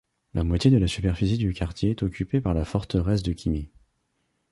La moitié de la superficie du quartier et occupé par la forteresse de Kymi.